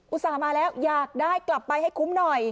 ต่ามาแล้วอยากได้กลับไปให้คุ้มหน่อย